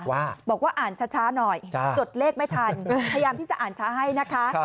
ว่าบอกว่าอ่านช้าหน่อยจดเลขไม่ทันพยายามที่จะอ่านช้าให้นะคะ